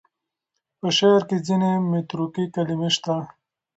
په شعر کې ځینې متروکې کلمې شته.